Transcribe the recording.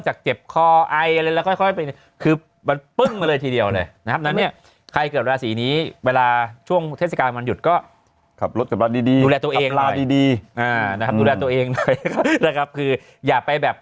จานเคี้ยวอะไรอยู่นะ